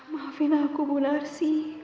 maafin aku bu narsi